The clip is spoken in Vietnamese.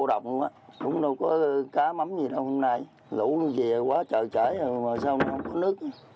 nó khô đồng luôn á cũng đâu có cá mắm gì đâu hôm nay lũ nó về quá trời trải rồi mà sao nó không có nước